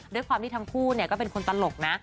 ด้วยความที่ทั้งคู่ก็เป็นคนตลกนะ